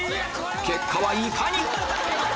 結果はいかに？